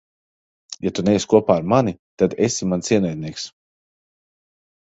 Ja tu neesi kopā ar mani, tad esi mans ienaidnieks.